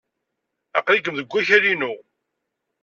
Aql-ikem deg wakal-inu.